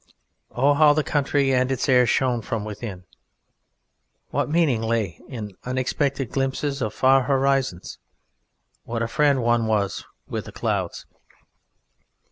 Oh! How the County and its Air shone from within; what meaning lay in unexpected glimpses of far horizons; what a friend one was with the clouds!